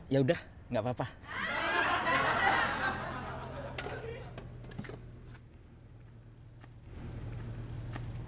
yaudah gak apa apa